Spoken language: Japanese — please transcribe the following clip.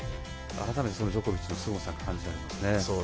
改めて、ジョコビッチのすごさが感じられますね。